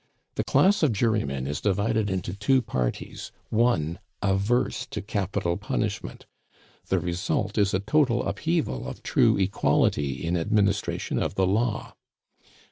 The class of jurymen is divided into two parties, one averse to capital punishment; the result is a total upheaval of true equality in administration of the law.